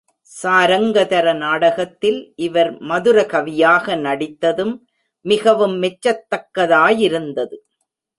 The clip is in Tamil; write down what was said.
சாரங்கதர நாடகத்தில், இவர் மதுரகவியாக நடித்ததும் மிகவும் மெச்சத்தக்கதாயிருந்தது.